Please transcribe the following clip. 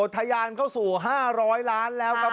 ทะยานเข้าสู่๕๐๐ล้านแล้วครับ